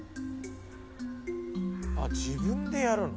「あっ自分でやるの？」